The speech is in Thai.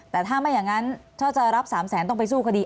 แต่ถ้าไม่อย่างนั้นถ้าจะรับ๓แสนต้องไปสู้คดี